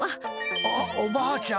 ああおばあちゃん！